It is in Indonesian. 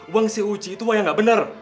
uang si uci itu maya gak bener